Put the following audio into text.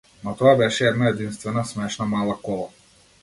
Но тоа беше една единствена, смешна мала кола.